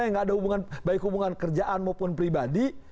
yang ada hubungan baik hubungan kerjaan maupun pribadi